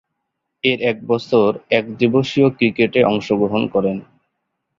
এর এক বছর একদিবসীয় ক্রিকেটে অংশগ্রহণ করেন।